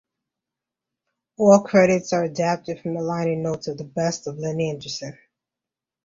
All credits are adapted from the liner notes of "The Best of Lynn Anderson".